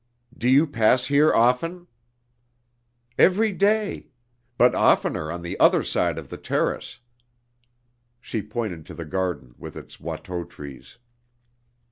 "Do you pass here often?" "Every day. But oftener on the other side of the terrace." (She pointed to the garden with its Watteau trees.)